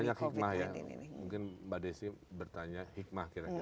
banyak hikmah ya mungkin mbak desi bertanya hikmah kira kira